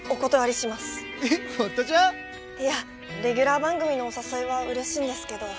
えっ堀田ちゃん？いやレギュラー番組のお誘いはうれしいんですけど